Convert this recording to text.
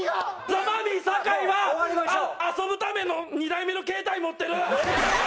ザ・マミィ酒井は遊ぶための２台目の携帯持ってる！